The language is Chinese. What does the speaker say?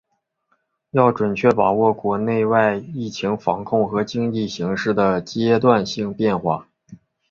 要准确把握国内外疫情防控和经济形势的阶段性变化